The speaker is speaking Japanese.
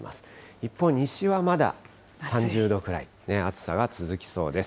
一方、西はまだ３０度くらい、暑さが続きそうです。